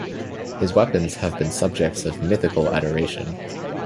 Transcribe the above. His weapons have been subjects of mythical adoration.